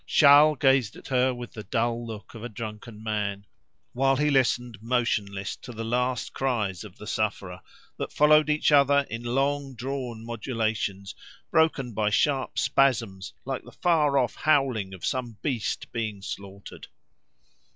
Charles gazed at her with the dull look of a drunken man, while he listened motionless to the last cries of the sufferer, that followed each other in long drawn modulations, broken by sharp spasms like the far off howling of some beast being slaughtered.